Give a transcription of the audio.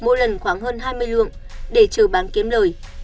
mỗi lần khoảng hơn hai mươi lượng để chờ bán kiếm lời